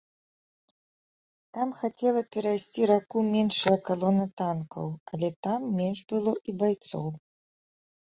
Там хацела перайсці раку меншая калона танкаў, але там менш было і байцоў.